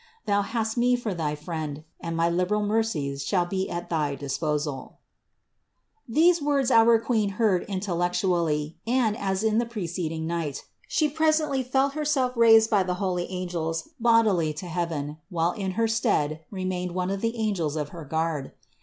Thou hast Me for thy Friend and my liberal mercies shall be at thy disposal." THE INCARNATION 79 90. These words our Queen heard intellectually and, as in the preceding night, She presently felt Herself raised by the holy angels bodily to heaven, while in her stead remained one of the angels of her guard.